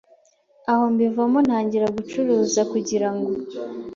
aho mbivamo ntangira gucuruza kugirango